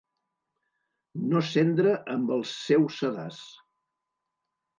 No cendre amb el seu sedàs.